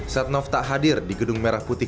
setnov tak hadir di gedung merah putih